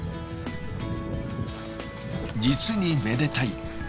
実にめでたい。